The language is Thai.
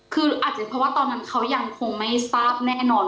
คืออาจจะเพราะว่าตอนนั้นเขายังคงไม่ทราบแน่นอน